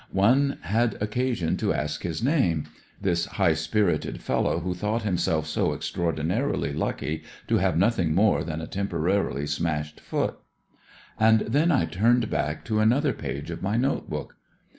One had occasion to ask his name, this high spirited fellow who thought himself so extraordinarily lucky to have nothing more than a temporarily smashed foot. And then I turned back to another page of my note book.